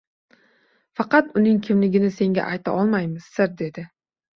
Faqat uning kimligini senga ayta olmaymiz sir, dedi